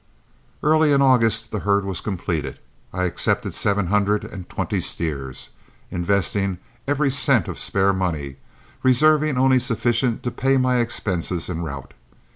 Early in August the herd was completed. I accepted seven hundred and twenty steers, investing every cent of spare money, reserving only sufficient to pay my expenses en route.